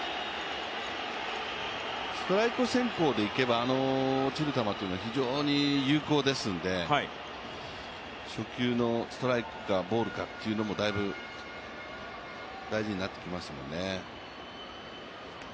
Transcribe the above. ストライク先行でいけばあの切れる球っていうのは非常に有効ですので、初球のストライクかボールかだいぶ大事になってきますもんね。